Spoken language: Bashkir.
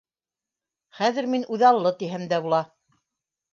Хәҙер мин үҙаллы тиһәм дә була.